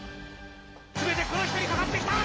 すべてこの人にかかってきた。